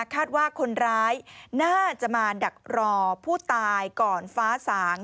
คาดว่าคนร้ายน่าจะมาดักรอผู้ตายก่อนฟ้าสาง